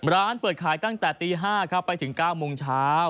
ร้านเปิดขายตั้งแต่ตี๕ครับไปถึง๙โมงเช้า